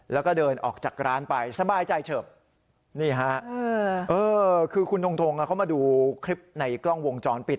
แล้วก็เดินออกจากร้านไปสบายใจเฉิบนี่ฮะคือคุณทงทงเขามาดูคลิปในกล้องวงจรปิด